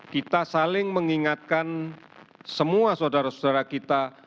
kita saling mengingatkan semua saudara saudara kita